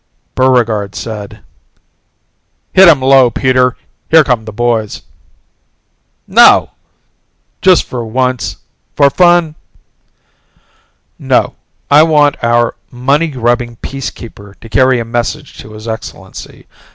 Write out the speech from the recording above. Buregarde said, "Hit him low, Peter. Here come the boys." "No!" "Just once for fun?" "No. I want our money grubbing Peacekeeper to carry a message to His Excellency.